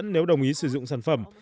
nếu đồng ý sử dụng sản phẩm